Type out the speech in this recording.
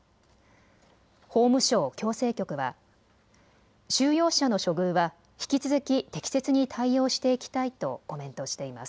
法務省矯正局は収容者の処遇は引き続き適切に対応していきたいとコメントしています。